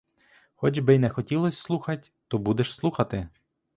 Хоч би й не хотілось слухать, то будеш слухати!